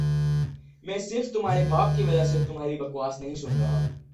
میں صرف تمہارے باپ کی وجہ سے تمہاری بکواس سن ربا